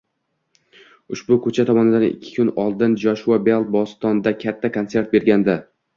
Ushbu koʻcha tomoshasidan ikki kun oldin Joshua Bell Bostonda katta konsert bergandi